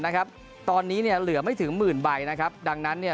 นะครับตอนนี้เนี่ยเหลือไม่ถึงหมื่นใบนะครับดังนั้นเนี่ย